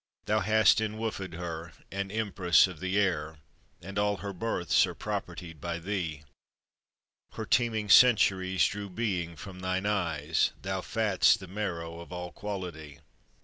Thou hast enwoofèd her An empress of the air, And all her births are propertied by thee: Her teeming centuries Drew being from thine eyes: Thou fatt'st the marrow of all quality.